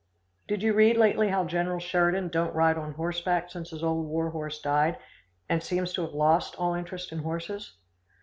"Did you read lately how General Sheridan don't ride on horseback since his old war horse died, and seems to have lost all interest in horses?"